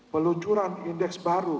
peluncuran indeks barang